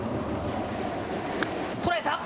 捉えた。